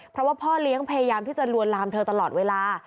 เพราะว่าพ่อเลี้ยงพยายามที่จะลวนลามเธอตลอดเวลา